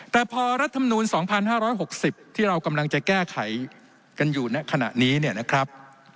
แต่พอรัฐธรรมนูล๒๕๖๐ที่เรากำลังจะแก้ไขกันอยู่ในขณะนี้เนี่ยนะครับ